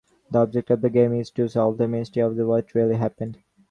The object of the game is to solve the mystery of what really happened.